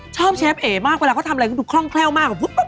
เชฟเอ๋มากเวลาเขาทำอะไรก็ดูคล่องแคล่วมากกว่า